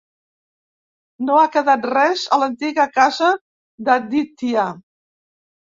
No ha quedat res a l'antiga casa d'Aditya.